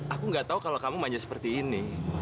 aku nggak tahu kalau kamu manja seperti ini